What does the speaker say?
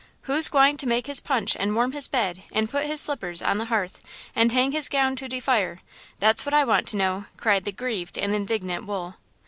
"Who's gwine to make his punch and warm his bed and put his slippers on the hearth and hang his gown to de fire?–that what I want to know!" cried the grieved and indignant Wool.